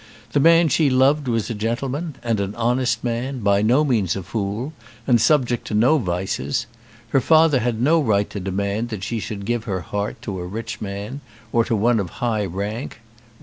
The man she loved was a gentleman, and an honest man, by no means a fool, and subject to no vices. Her father had no right to demand that she should give her heart to a rich man, or to one of high rank.